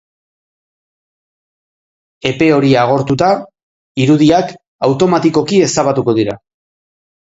Epe hori agortuta irudiak automatikoki ezabatuko dira.